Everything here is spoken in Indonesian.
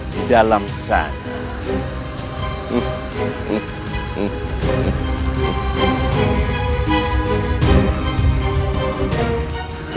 di dalam sana